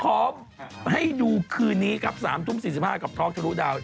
ขอให้ดูคืนนี้ครับ๓๔๕นกับท็อกทะลุดาว